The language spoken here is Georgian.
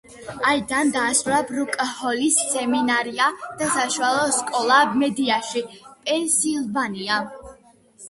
აიდამ დაასრულა ბრუკ ჰოლის სემინარია და საშუალო სკოლა მედიაში, პენსილვანია.